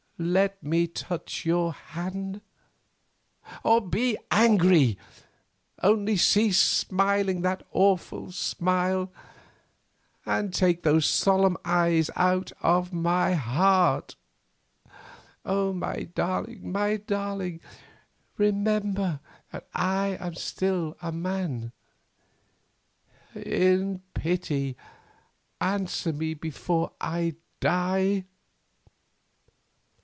Let me touch your hand. Or be angry. Only cease smiling that awful smile, and take those solemn eyes out of my heart. Oh, my darling, my darling! remember that I am still a man. In pity answer me before I die."